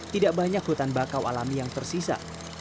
tidak banyak hutan bakau alami yang tersisa